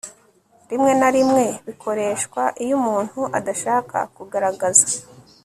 rimwe na rimwe bikoreshwa iyo umuntu adashaka kugaragaza